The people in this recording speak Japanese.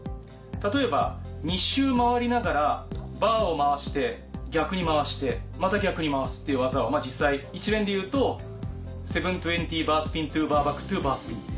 例えば２周回りながらバーを回して逆に回してまた逆に回すっていう技は実際一連で言うと「７２０バースピンｔｏバーバックｔｏバースピン」。